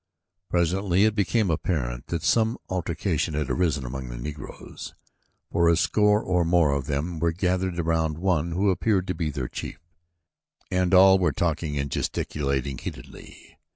Presently it became apparent that some altercation had arisen among the Negroes, for a score or more of them were gathered around one who appeared to be their chief, and all were talking and gesticulating heatedly.